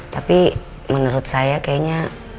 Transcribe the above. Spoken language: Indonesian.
tapi menurut saya kayanya